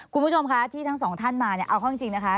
คุณผู้ชมคะที่ทั้งสองท่านมาเนี่ยเอาเข้าจริงนะคะ